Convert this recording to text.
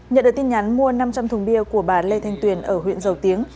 nhận được tin nhắn mua năm trăm linh thùng bia của bà lê thanh tuyền ở huyện dầu tiếng